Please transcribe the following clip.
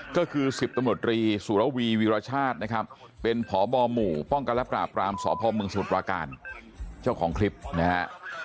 ก็คือ๑๐ตำรวจรีสุรวีวีรชาตินะครับเป็นพบหมู่ป้องกันและปราบรามสพมสมุทรปราการเจ้าของคลิปนะฮะ